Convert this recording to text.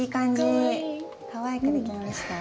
かわいくできました。